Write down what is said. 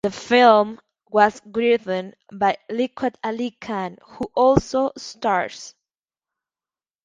The film was written by Liaquat Ali Khan who also stars.